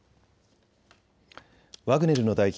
ワグネルの代表